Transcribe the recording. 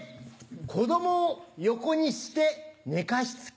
子供を横にして寝かしつけ。